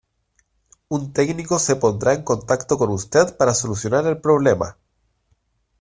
Un técnico se pondrá en contacto con usted para solucionar el problema